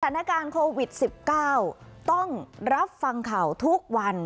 สถานการณ์โควิด๑๙ต้องรับฟังข่าวทุกวัน